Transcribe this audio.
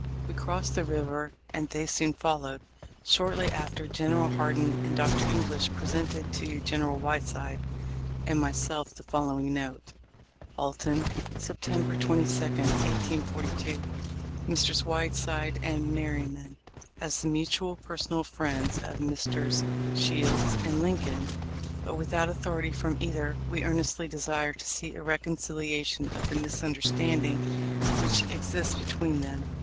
We crossed the river, and they soon followed. Shortly after, General Hardin and Dr. English presented to General Whiteside and myself the following note : Alton, September 22, 1842. Messrs. Whiteside and Merbyman: — As the mutual personal friends of Messrs. Shields and Lincoln, but with out authority from either, we earnestly desire to see a reconciliation of the misunderstanding which exists be tween them.